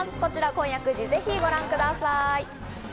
今夜９時、ぜひご覧ください。